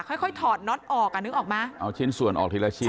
ค่อยค่อยถอดน็อตออกอ่ะนึกออกไหมเอาชิ้นส่วนออกทีละชิ้น